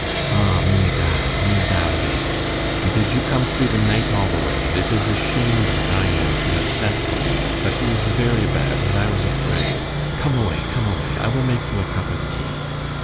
"Ah, M'eudail! M'eudail bheg! and did you come through the night all the way, and it is ashamed that I am to have sent for you, but he was very bad and I was afraid. Come away! come away! I will make you a cup of tea."